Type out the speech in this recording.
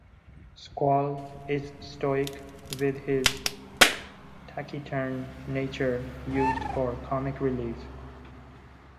Squall is stoic, with his taciturn nature used for comic relief.